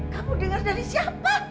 kamu denger dari siapa